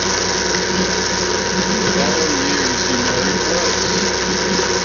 In the following years he married twice.